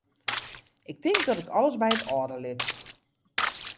Ik tink dat ik alles by it âlde lit.